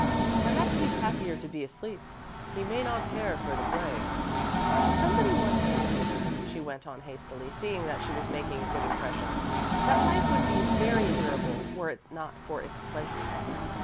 "Perhaps he's happier to be asleep. He may not care for the play." "Somebody once said," she went on hastily, seeing that she was making a good impression, "that life would be very endurable were it not for its pleasures."